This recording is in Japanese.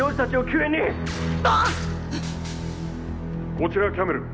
こちらキャメル。